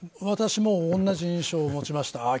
私も同じ印象を持ちました。